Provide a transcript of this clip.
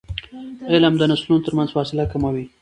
علم د نسلونو ترمنځ فاصله کموي.